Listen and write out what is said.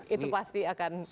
itu pasti akan